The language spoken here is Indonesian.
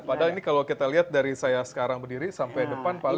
padahal ini kalau kita lihat dari saya sekarang berdiri sampai depan paling